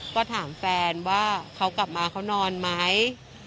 ก็ถามแฟนว่าเขากลับมาเขานอนไหม